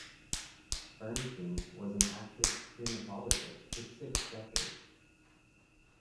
Bernstein was an active primatologist for six decades.